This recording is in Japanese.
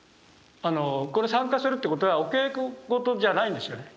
これ参加するってことはお稽古事じゃないんですよね。